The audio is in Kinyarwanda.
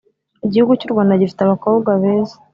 Igihugu cy’u Rwanda gifite abakobwa beza